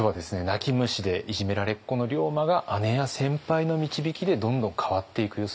泣き虫でいじめられっ子の龍馬が姉や先輩の導きでどんどん変わっていく様子を見てきました。